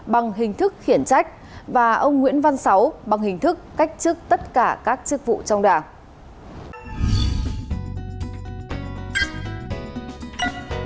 bằng hình thức khiển trách và ông nguyễn văn sáu bằng hình thức cách chức tất cả các chức vụ trong đảng